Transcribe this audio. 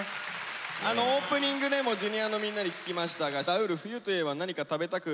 オープニングでもＪｒ．のみんなに聞きましたがラウール冬といえば何か食べたくなるものありますか？